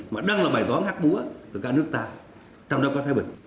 mà đang là bài toán hát búa của cả nước ta trong đông qua thái bình